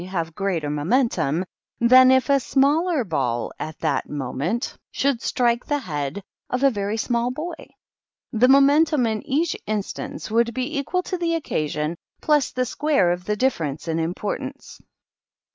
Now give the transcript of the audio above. have greater momentum — than if a similar ball at that moment D THE KINDERGARTEN. should strike the head of a very bad small boy. The momentum in each instance would be equal to the occasion, plus the square of the difference in importance.